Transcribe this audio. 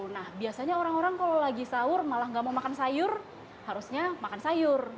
nah biasanya orang orang kalau lagi sahur malah nggak mau makan sayur harusnya makan sayur